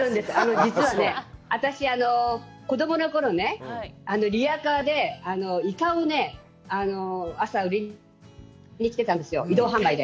実はね、私、子供のころね、リアカーでイカを朝売りに来てたんですよ、移動販売で。